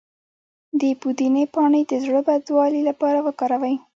د پودینې پاڼې د زړه بدوالي لپاره وکاروئ